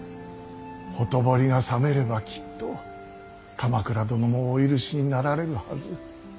ほとぼりが冷めればきっと鎌倉殿もお許しになられるはず。